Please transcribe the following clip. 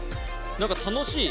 何か楽しい。